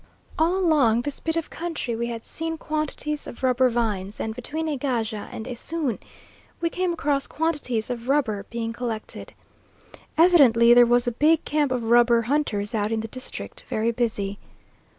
All along this bit of country we had seen quantities of rubber vines, and between Egaja and Esoon we came across quantities of rubber being collected. Evidently there was a big camp of rubber hunters out in the district very busy.